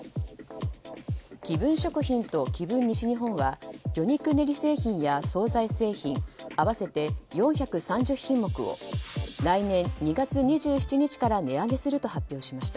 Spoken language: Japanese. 紀文食品と紀文西日本は魚肉練り製品や総菜製品合わせて４３０品目を来年２月２７日から値上げすると発表しました。